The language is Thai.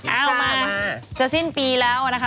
เอามาจะสิ้นปีแล้วนะคะ